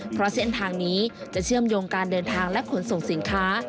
เพราะเส้นทางนี้จะเชื่อมโยงการเดินทางและขนส่งสินค้า